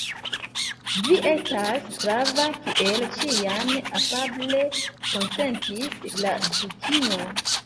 "Vi estas prava, kiel ĉiam," afable konsentis la Dukino.